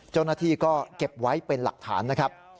เจ้าหน้าที่ก็เก็บไว้เป็นหลักฐานนะครับ